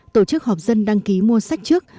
tổ chức họp dân đăng ký mua sách trước